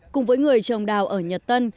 cùng với người trồng đào ở nhật tân